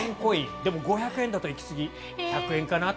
でも５００円だと行きすぎ１００円かなと。